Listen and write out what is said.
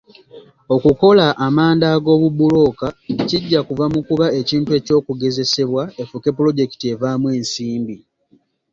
Okukola amanda g'obubulooka kijja kuva mu kuba ekintu eky'okugezesebwa efuuke pulojekiti evaamu ensimbi.